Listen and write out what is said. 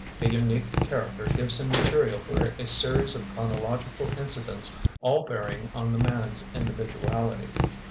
A unique char acter gives him material for a series of chronological incidents all bearing on the man's individuality.